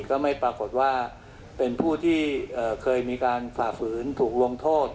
ก็ไม่ปรากฏว่าเป็นผู้ที่เคยมีการฝ่าฝืนถูกลงโทษ